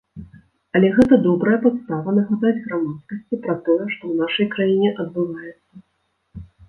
Але гэта добрая падстава нагадаць грамадскасці пра тое, што ў нашай краіне адбываецца.